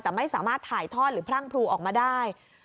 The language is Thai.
แต่ไม่สามารถถ่ายทอดหรือพรั่งพลูออกมาได้